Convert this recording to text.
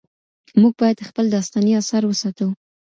موږ باید خپل داستاني اثار وساتو.